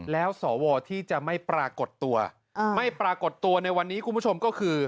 แล้วสวที่จะไม่ปรากฏตัวไม่ปรากฏตัวในวันนี้คุณผู้ชมก็คือ